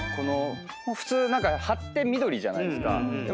普通葉って緑じゃないですか。